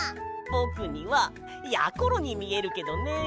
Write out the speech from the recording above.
ぼくにはやころにみえるけどね。